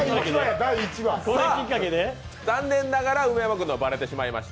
残念ながら梅山君のはバレてしまいました。